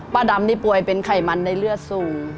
ดำนี่ป่วยเป็นไขมันในเลือดสูง